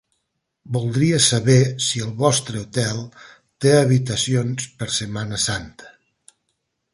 Voldria saber si el vostre hotel té habitacions per setmana santa.